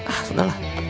ah sudah lah